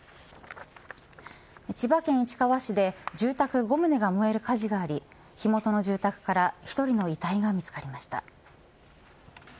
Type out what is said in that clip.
千葉県市川市で住宅５棟が燃える火事があり火元の住宅から１人の遺体が見つかりました。